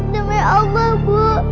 demi allah bu